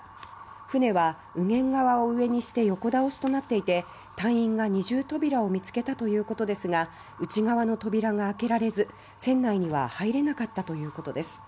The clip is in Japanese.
船は右舷側を上にして横倒しとなっていて隊員が二重扉を見つけたということですが内側の扉が開けられず船内には入れなかったということです。